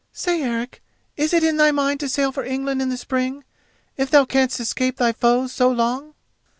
"Say, Eric, is it in thy mind to sail for England in the spring, if thou canst escape thy foes so long?"